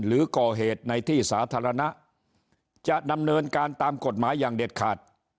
หรือก่อเหตุในที่สาธารณะจะดำเนินการตามกฎหมายอย่างเด็ดขาด